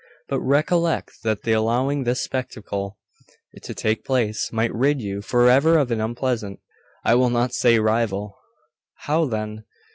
'But recollect that the allowing this spectacle to take place might rid you for ever of an unpleasant I will not say rival.' 'How, then?